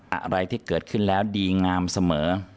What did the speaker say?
อะไรที่เกิดขึ้นแล้วดีงามเสมอ